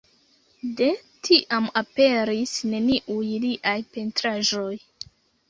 De tiam aperis neniuj liaj pentraĵoj.